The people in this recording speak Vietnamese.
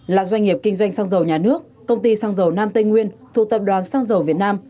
là doanh nghiệp kinh doanh xăng dầu nhà nước công ty xăng dầu nam tây nguyên thuộc tập đoàn xăng dầu việt nam